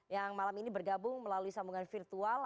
yang malam ini bergabung melalui sambungan virtual